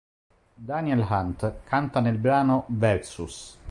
Daniel Hunt canta nel brano "Versus".